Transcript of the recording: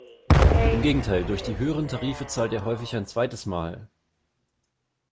Im Gegenteil, durch die höheren Tarife zahlt er häufig ein zweites Mal.